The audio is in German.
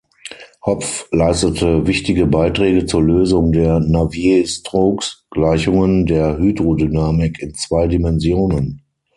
Hopf leistete wichtige Beiträge zur Lösung der Navier-Stokes-Gleichungen der Hydrodynamik in zwei Dimensionen.